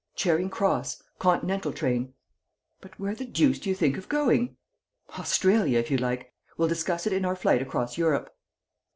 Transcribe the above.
"Charing Cross. Continental train." "But where the deuce do you think of going?" "Australia, if you like! We'll discuss it in our flight across Europe."